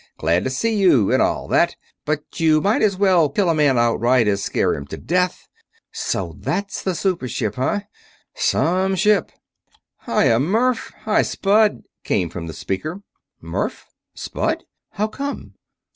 "Glad to see you, and all that, but you might as well kill a man outright as scare him to death! So that's the super ship, huh? Some ship!" "Hi ya, Murf! Hi, Spud!" came from the speaker. "Murf? Spud? How come?"